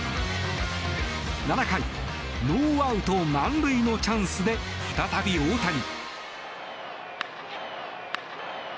７回裏、ノーアウト満塁のチャンスで再び大谷。